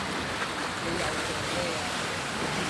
你又做咩啊